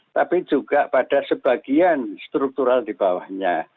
tapi juga pada sebagian struktural dipakai